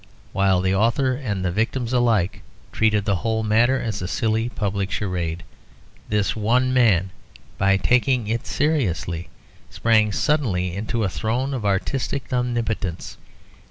While the author and the victims alike treated the whole matter as a silly public charade, this one man, by taking it seriously, sprang suddenly into a throne of artistic omnipotence.